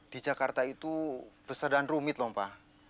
di jakarta itu besar dan rumit lho pak